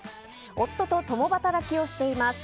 夫と共働きをしています。